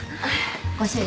ご主人。